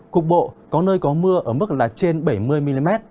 cục bộ có nơi có mưa ở mức là trên bảy mươi mm